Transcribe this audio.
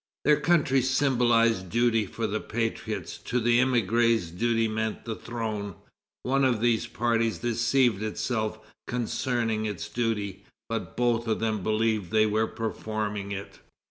Their country symbolized duty for the patriots; to the émigrés, duty meant the throne. One of these parties deceived itself concerning its duty, but both of them believed they were performing it."